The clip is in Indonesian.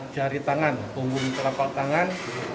jari tangan punggung telapak tangan